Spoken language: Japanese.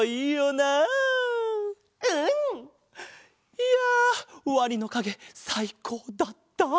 いやワニのかげさいこうだった。